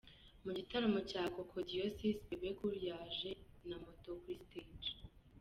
Mu gitaramo cya Kokodiosis Bebe Cool yaje na moto kuri stage.